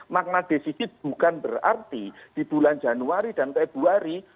makna defisit bukan berarti di bulan januari dan februari